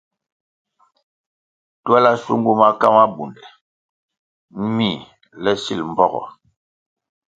Twela shungu maka mabunde mih le sil mbpogo.